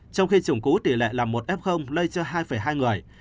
trong khi chủng cũ tỷ lệ là một f lây cho hai hai người